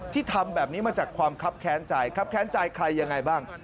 ทำแบบนี้มาจากความคับแค้นใจครับแค้นใจใครยังไงบ้าง